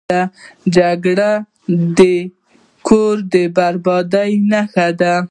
جګړه د کور د بربادۍ نښه ده